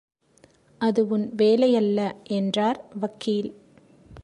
அது உன் வேலையல்ல என்றார் வக்கீல்.